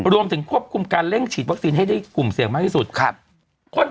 รวมถึงควบคุมการเร่งฉีดอีก๓เดือน